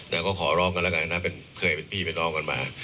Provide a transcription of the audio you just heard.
แต่ก็ขอร้องกันแล้วกันนะเคยเป็นพี่เป็นน้องกันมา